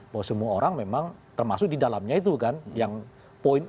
bahwa semua orang memang termasuk di dalamnya itu kan